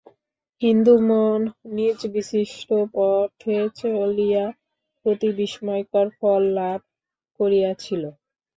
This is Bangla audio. হিন্দু মন নিজ বিশিষ্ট পথে চলিয়া অতি বিস্ময়কর ফল লাভ করিয়াছিল।